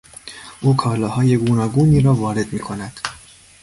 او کالاهای گوناگونی را وارد میکند.